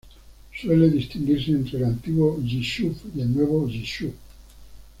Suele distinguirse entre el "Antiguo Yishuv" y el "Nuevo Yishuv".